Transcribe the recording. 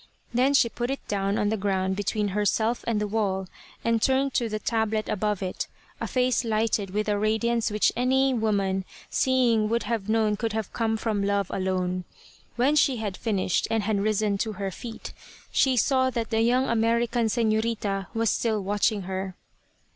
Then she put it down on the ground between herself and the wall, and turned to the tablet above it a face lighted with a radiance which any woman seeing would have known could have come from love alone. When she had finished, and had risen to her feet, she saw that the young American "señorita" was still watching her.